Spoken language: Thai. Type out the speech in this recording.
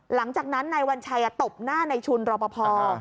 หลังจากนั้นในวันชัยตบหน้าในชุนรบพอ